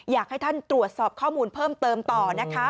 อยากให้ท่านตรวจสอบข้อมูลเพิ่มเติมต่อนะคะ